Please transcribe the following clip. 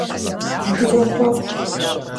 Dınoxhuexhu.